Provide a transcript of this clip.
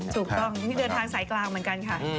ถูกต้องนี่เดินทางสายกลางเหมือนกันค่ะ